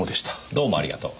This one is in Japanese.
どうもありがとう。